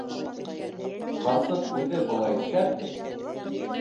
Ҡарсыҡ үҙе былай шәпме?